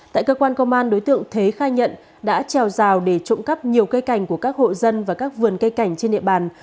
tại cơ quan công an đối tượng thế khai nhận đã trèo rào để trộm cắp nhiều cây cảnh của các hộ dân và các vườn cây cảnh trên địa bàn